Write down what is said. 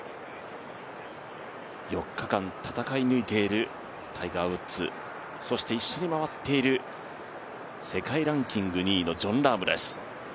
４日間、戦い抜いているタイガー・ウッズ、そして一緒に回っている世界ランキング２位のジョン・ラームです。